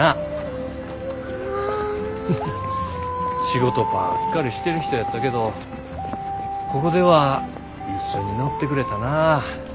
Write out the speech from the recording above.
仕事ばっかりしてる人やったけどここでは一緒に乗ってくれたなぁ。